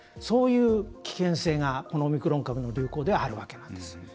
そういう危険性がこのオミクロン株の流行ではあるわけなんです。